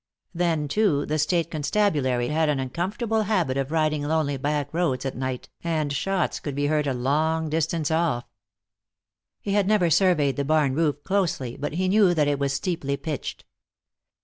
Then, too, the state constabulary had an uncomfortable habit of riding lonely back roads at night, and shots could be heard a long distance off. He had never surveyed the barn roof closely, but he knew that it was steeply pitched.